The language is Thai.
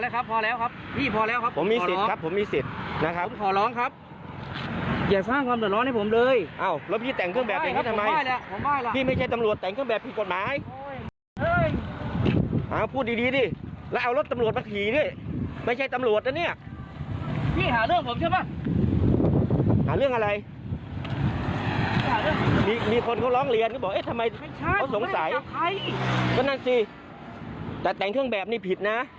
เขาบอกเอ๊ะทำไมเขาสงสัยก็นั่นสิแต่แต่งเครื่องแบบนี่ผิดน่ะ